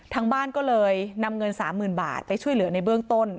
ทางบ้านก็เลยนำเงิน๓๐๐๐บาทไปช่วยเหลือในเบื้องต้น